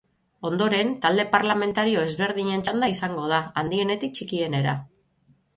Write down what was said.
Ondoren talde parlamentario ezberdinen txanda izango da, handienetik txikienera.